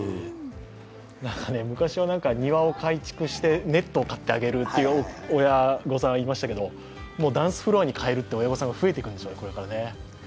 昔は庭を改築してネットを買ってあげるという親御さんはいましたけど、ダンスフロアに変えるという親御さんがこれから増えていくんでしょうね。